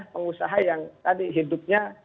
pengusaha yang tadi hidupnya